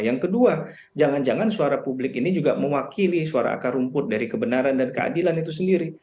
yang kedua jangan jangan suara publik ini juga mewakili suara akar rumput dari kebenaran dan keadilan itu sendiri